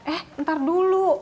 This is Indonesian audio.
eh ntar dulu